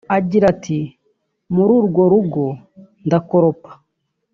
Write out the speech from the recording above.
Agira ati "Muri urwo rugo ndakoropa